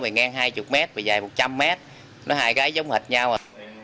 bề ngang hai mươi mét bề dài một trăm linh mét nó hai cái giống hệt nhau à